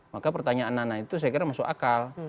maka pertanyaan nana itu saya kira masuk akal